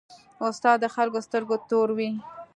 استاد د خلکو د سترګو تور وي.